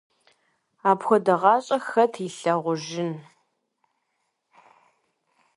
Апхуэдэ гъащӀэ хэт илъагъужын…